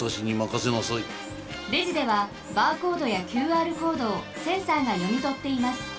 レジではバーコードやＱＲコードをセンサーがよみとっています。